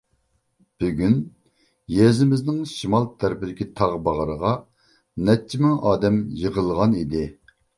بۈگۈن يېزىمىزنىڭ شىمال تەرىپىدىكى تاغ باغرىغا نەچچە مىڭ ئادەم يىغىلغان ئىدى.